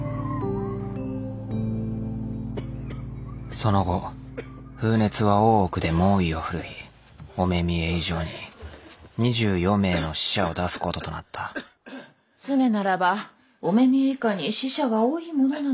その後風熱は大奥で猛威を振るい御目見以上に２４名の死者を出すこととなった常ならば御目見以下に死者が多いものなのに逆さ。